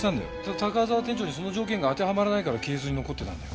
高沢店長にその条件が当てはまらないから消えずに残ってたんだよ。